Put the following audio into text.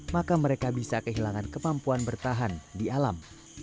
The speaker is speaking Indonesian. maka mereka bisa kehilangan kemampuan bertahan di alam